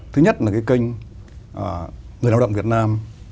thứ nhất là cái kênh người lao động việt nam